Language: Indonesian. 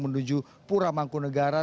menuju pura mangku negara